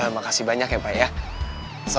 makasih banyak ya pak ya